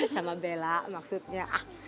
sama bella maksudnya